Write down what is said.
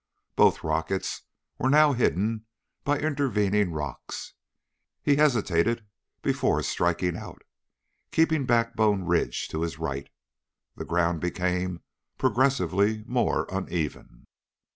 Both rockets were now hidden by intervening rocks. He hesitated before striking out, keeping Backbone Ridge to his right. The ground became progressively more uneven.